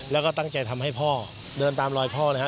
แล้วก็ตั้งใจทำให้พ่อเดินตามรอยพ่อนะครับ